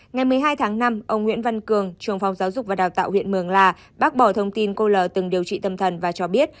ngày một mươi hai tháng năm ông nguyễn văn cường trường phòng giáo dục và đào tạo huyện mường la bác bỏ thông tin cô lờ từng điều trị tâm thần và cho biết